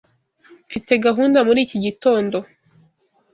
Mfite gahunda muri iki gitondo.